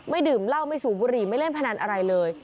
ดื่มเหล้าไม่สูบบุหรี่ไม่เล่นพนันอะไรเลย